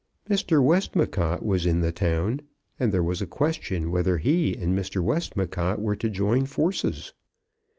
Mr. Westmacott was in the town, and there was a question whether he and Mr. Westmacott were to join forces.